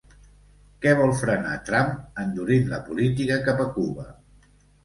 Què vol frenar Trump endurint la política cap a Cuba?